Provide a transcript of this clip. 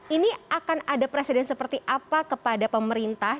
ini akan ada presiden seperti apa kepada pemerintah